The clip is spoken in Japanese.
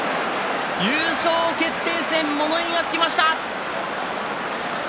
優勝決定戦物言いがつきました。